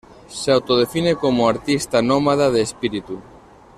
Se autodefine como "artista nómada de espíritu.